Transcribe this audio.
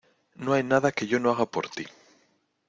No hay nada que yo no haga por tí.